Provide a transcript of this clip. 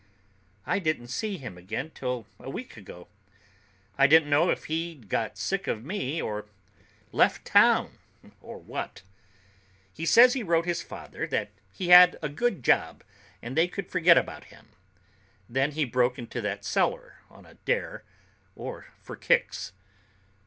I didn't see him again till a week ago. I didn't know if he'd got sick of me, or left town, or what. "He says he wrote his father that he had a good job, and they could forget about him. Then he broke into that cellar on a dare or for kicks.